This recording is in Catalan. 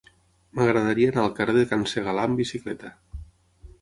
M'agradaria anar al carrer de Can Segalar amb bicicleta.